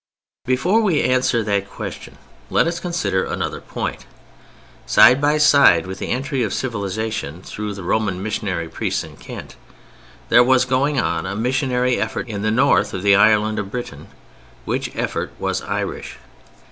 Before we answer that question let us consider another point. Side by side with the entry of civilization through the Roman missionary priests in Kent, there was going on a missionary effort in the North of the Island of Britain, which effort was Irish.